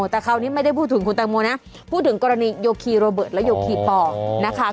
แต่คราวนี้ไม่ได้พูดถึงคุณแตงโมนะพูดถึงกรณีโยคีโรเบิร์ตและโยคีปอร์นะคะ